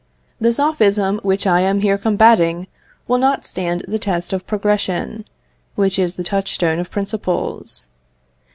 The sophism which I am here combating will not stand the test of progression, which is the touchstone of principles.